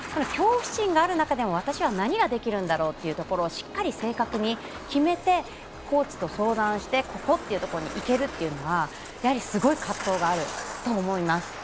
恐怖心がある中でも私は何ができるんだろうというのをしっかり正確に決めてコーチと相談してここというところに行けるのはすごい葛藤があると思います。